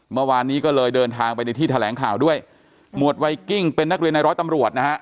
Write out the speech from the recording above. เมื่อวานนี้ก็เลยเดินทางไปในที่แถลงข่าวด้วยหมวดไวกิ้งเป็นนักเรียนในร้อยตำรวจนะฮะ